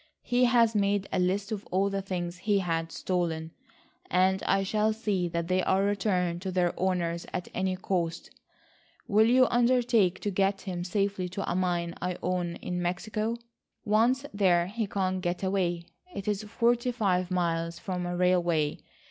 He has made a list of all the things he has stolen, and I shall see that they are returned to their owners at any cost. Will you undertake to get him safely to a mine I own in Mexico? Once there he can't get away. It is forty five miles from a railway.